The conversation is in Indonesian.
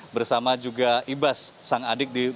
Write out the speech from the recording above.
bersama juga ibas sang adik